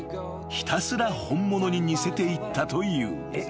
ひたすら本物に似せていったという］